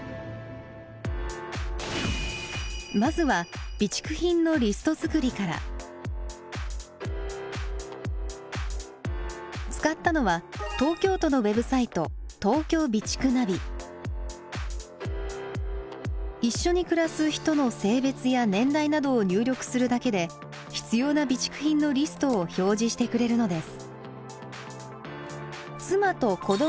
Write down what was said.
まずは使ったのは東京都のウェブサイト一緒に暮らす人の性別や年代などを入力するだけで必要な備蓄品のリストを表示してくれるのです。